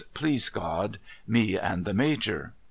' Please God ! Me and the Major.'